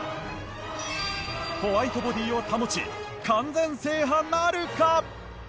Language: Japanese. ホワイトボディを保ち完全制覇なるか？